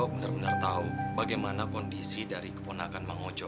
apa bang ojo benar benar tahu bagaimana kondisi dari keponakan bang ojo